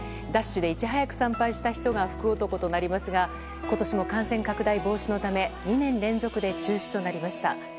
ダッシュでいち早く参拝した人が福男となりますが今年も感染拡大防止のため２年連続で中止となりました。